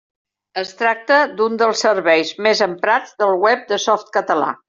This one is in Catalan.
Es tracta d'un dels serveis més emprats del web de Softcatalà.